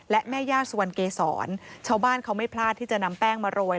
และแม่ย่าสุวรรณเกษรชาวบ้านเขาไม่พลาดที่จะนำแป้งมาโรย